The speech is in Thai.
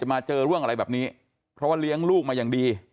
มาเจอเรื่องอะไรแบบนี้เพราะว่าเลี้ยงลูกมาอย่างดี